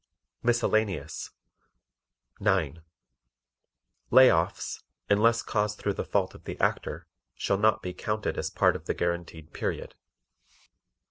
Miscellaneous 9. Lay offs, unless caused through the fault of the Actor, shall not be counted as part of the guaranteed period.